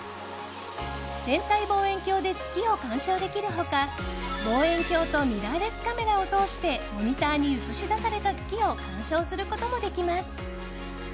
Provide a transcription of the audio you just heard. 天体望遠鏡で月を観賞できる他望遠鏡とミラーレスカメラを通してモニターに映し出された月を観賞することもできます。